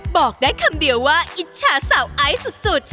บอกได้คำเดียวว่าอิจฉาสาวไอซ์สุด